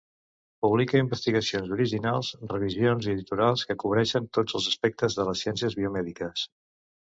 Publica investigacions originals, revisions i editorials que cobreixen tots els aspectes de les ciències biomèdiques.